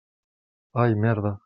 Ai, merda.